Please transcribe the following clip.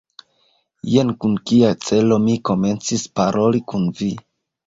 Jen kun kia celo mi komencis paroli kun vi!